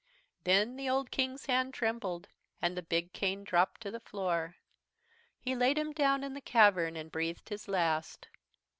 "Then the old King's hand trembled and the big cane dropped to the floor. He laid him down in the cavern and breathed his last.